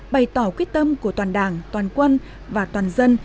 bày tỏ quyết tâm của toàn đảng toàn quân và toàn dân